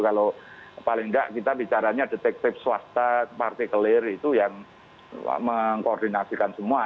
kalau paling tidak kita bicaranya detektif swasta partikelir itu yang mengkoordinasikan semua